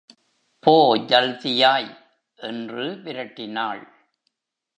போ ஜல்தியாய்! என்று விரட்டினாள்.